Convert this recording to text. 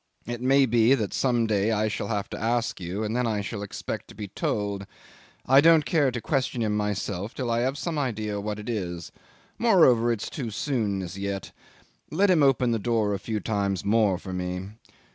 It may be that some day I shall have to ask you, and then I shall expect to be told. I don't care to question him myself till I have some idea what it is. Moreover, it's too soon as yet. Let him open the door a few times more for me.